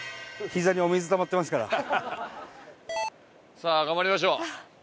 さあ頑張りましょう。